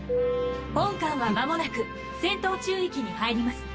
本艦は間もなく戦闘宙域に入ります。